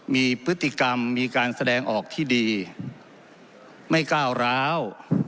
มีพฤติกรรมมีการแสดงออกที่ดีไม่ก้าวร้าว